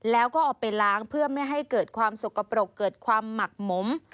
แล้วก็เอาไปล้างเพื่อไม่ให้เกิดความสกปรกเกิดความหมักหมม